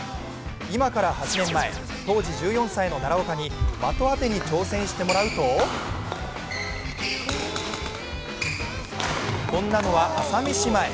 今から８年前、当時１４歳の奈良岡に的当てに挑戦してもらうとこんなのは朝飯前。